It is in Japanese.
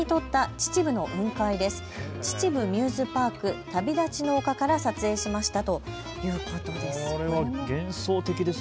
秩父ミューズパーク旅立ちの丘から撮影しましたということです。